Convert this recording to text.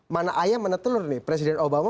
mana ayam mana telur nih presiden obama